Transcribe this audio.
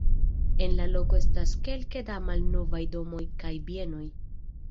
En la loko estas kelke da malnovaj domoj kaj bienoj.